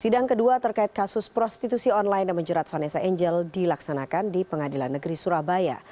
sidang kedua terkait kasus prostitusi online yang menjerat vanessa angel dilaksanakan di pengadilan negeri surabaya